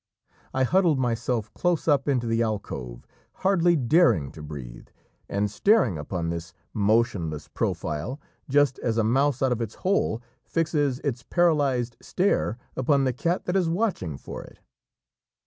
I huddled myself close up into the alcove, hardly daring to breathe, and staring upon this motionless profile just as a mouse out of its hole fixes its paralysed stare upon the cat that is watching for it.